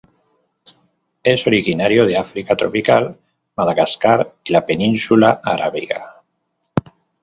Es originario de África tropical, Madagascar y la península arábiga.